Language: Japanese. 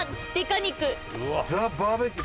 肉ザ・バーベキュー